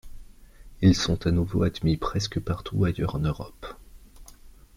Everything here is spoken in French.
Ils sont à nouveau admis presque partout ailleurs en Europe.